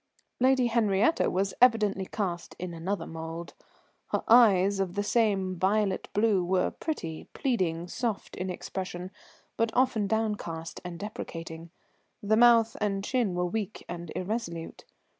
Lady Henriette was evidently cast in another mould. Her eyes, of the same violet blue, were pretty, pleading, soft in expression, but often downcast and deprecating; the mouth and chin were weak and irresolute.